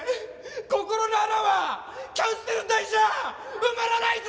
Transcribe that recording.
心の穴はキャンセル代じゃ埋まらないぜ！